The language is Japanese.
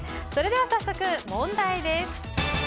それでは早速、問題です。